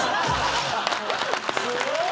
すごい！